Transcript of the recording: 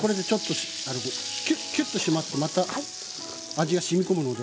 キュッキュッと締まってまた味がしみこむので。